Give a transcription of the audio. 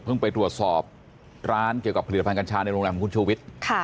ไปตรวจสอบร้านเกี่ยวกับผลิตภัณฑ์กัญชาในโรงแรมของคุณชูวิทย์